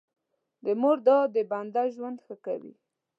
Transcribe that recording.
د مور دعا د بنده ژوند ښه کوي.